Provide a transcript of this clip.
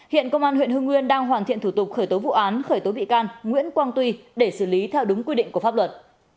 hiện công an huyện hưng nguyên đang hoàn thiện thủ tục khởi tố vụ án khởi tố bị can nguyễn quang tuy để xử lý theo đúng quy định của pháp luật